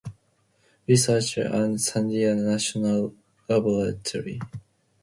Research and Sandia National Laboratory.